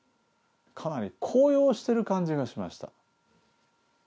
かなり高揚してる感じがしました。